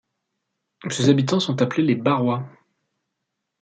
Ses habitants sont appelés les Barois.